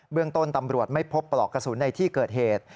เรื่องต้นตำรวจไม่พบปลอกกระสุนในที่เกิดเหตุ